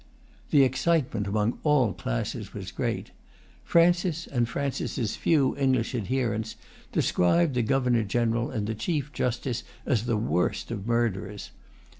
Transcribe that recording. The excitement among all classes was great. Francis and Francis's few English adherents described the Governor General and the Chief Justice as the worst of murderers.